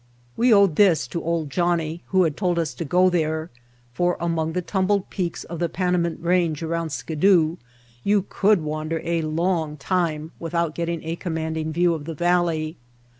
We owed this to "Old Johnnie" who had told us to go there, for among the tumbled peaks of the Pana mint Range around Skidoo you could wander a long time without getting a commanding view of the valley.